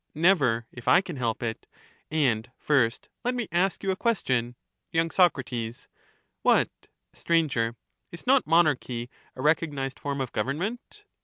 Never, if I can help it ; and, first, let me ask you a question. Y.Soc. What? Str. Is not monarchy a recognized form of government